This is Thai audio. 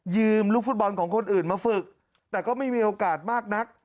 ลูกฟุตบอลของคนอื่นมาฝึกแต่ก็ไม่มีโอกาสมากนัก